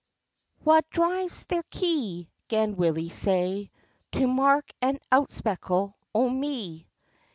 "Wha drives thir kye?" 'gan Willie say, "To mak an outspeckle o' me?"